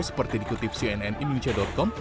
seperti dikutip cnnindonesia com